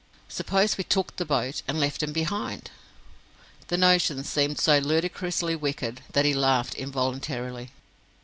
"Suppose we took the boat, and left him behind!" The notion seemed so ludicrously wicked that he laughed involuntarily.